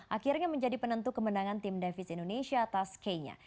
akhirnya menjadi penentu kemenangan tim davis indonesia atas kenya